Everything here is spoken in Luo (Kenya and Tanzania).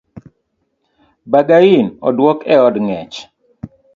Bangaini oduok eod angech